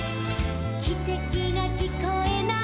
「きてきがきこえない」